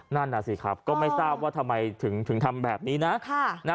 นั่นน่ะสิครับก็ไม่ทราบว่าทำไมถึงทำแบบนี้นะ